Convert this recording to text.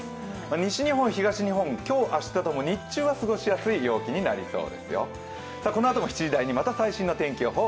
西日本、東日本、今日明日とも日中は過ごしやすい陽気になりそうですよ。